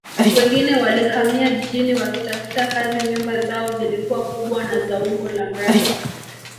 Wengine walihamia jijini wakitafuta kazi nyumba zao zilikuwa kubwa na za umbo la mraba